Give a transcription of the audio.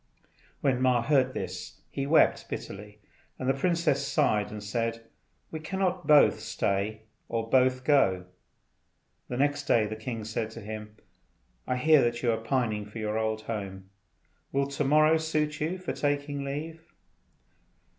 When Ma heard this he wept bitterly, and the princess sighed and said, "We cannot both stay or both go." The next day the king said to him, "I hear that you are pining after your old home. Will to morrow suit you for taking leave?"